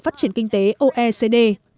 phát triển kinh tế oecd